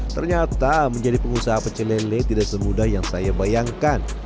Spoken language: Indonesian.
ternyata menjadi pengusaha pecelele tidak semudah yang saya bayangkan